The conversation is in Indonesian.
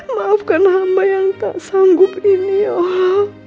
maafkan hamba yang tak sanggup ini ya allah